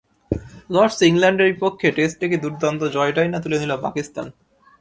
লর্ডসে ইংল্যান্ডের বিপক্ষে টেস্টে কী দুর্দান্ত জয়টাই না তুলে নিল পাকিস্তান।